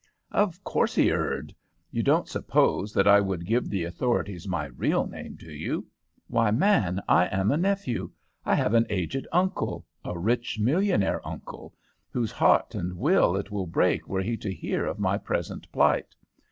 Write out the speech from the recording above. "Of course he erred. You don't suppose that I would give the authorities my real name, do you? Why, man, I am a nephew! I have an aged uncle a rich millionaire uncle whose heart and will it would break were he to hear of my present plight.